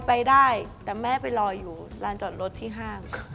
ไปได้แต่แม่ไปรออยู่ร้านจอดรถที่ห้าง